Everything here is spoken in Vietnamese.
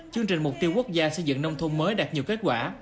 chương trình mục tiêu quốc gia xây dựng nông thôn mới đạt nhiều kết quả